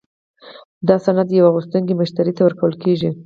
دا سند یو اخیستونکي مشتري ته ورکول کیږي.